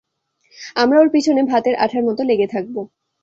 আমরা ওর পিছনে ভাতের আঠার মত লেগে থাকবো।